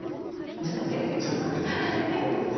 ちょっと照れてるのかな。